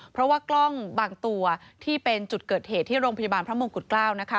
เพราะว่ากล้องบางตัวที่เป็นจุดเกิดเหตุที่โรงพยาบาลพระมงกุฎเกล้านะคะ